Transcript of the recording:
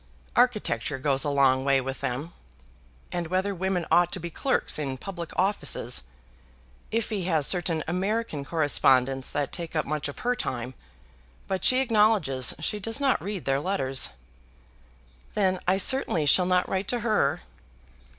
Architecture goes a long way with them, and whether women ought to be clerks in public offices. Iphy has certain American correspondents that take up much of her time, but she acknowledges she does not read their letters." "Then I certainly shall not write to her."